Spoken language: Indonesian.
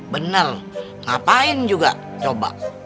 bener ngapain juga coba